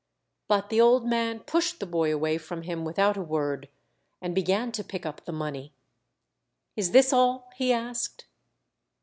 But the old man pushed the boy away from him without a word, and began to pick up the money. " Is this all? " he asked.